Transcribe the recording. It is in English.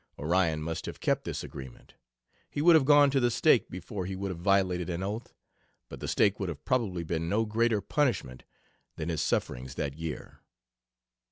Orion must have kept this agreement. He would have gone to the stake before he would have violated an oath, but the stake would have probably been no greater punishment than his sufferings that year.